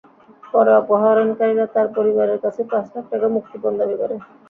পরে অপহরণকারীরা তার পরিবারের কাছে পাঁচ লাখ টাকা মুক্তিপণ দাবি করে।